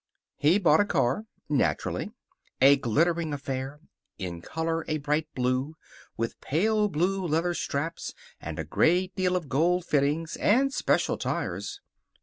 He bought a car. Naturally. A glittering affair; in color a bright blue, with pale blue leather straps and a great deal of gold fittings, and special tires.